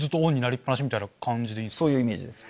そういうイメージです。